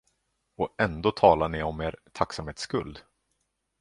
Och ändå talar ni om er tacksamhetsskuld?